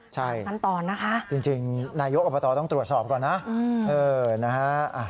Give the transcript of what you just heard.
ใช่จริงนายกอัมปะตอต้องตรวจสอบก่อนนะเออนะฮะ